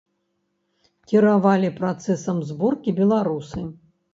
Кіравалі працэсам зборкі беларусы.